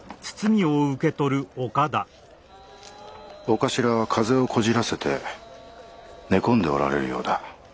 長官は風邪をこじらせて寝込んでおられるようだ。